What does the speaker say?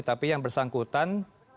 tapi yang bersangkutan